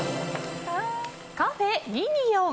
カフェミニヨン。